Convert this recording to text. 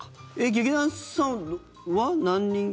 劇団さんは何人？